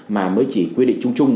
mà mới chỉ quy định chung chung